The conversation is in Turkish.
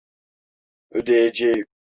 Ödeyeceğim!